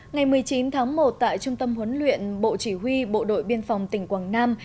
ngày một mươi chín tháng một tại trung tâm huấn luyện bộ chỉ huy bộ đội biên phòng tỉnh quảng nam